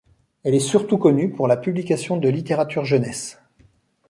Elle est surtout connue pour la publication de littérature jeunesse.